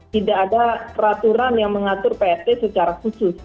tidak ada peraturan yang mengatur prt secara khusus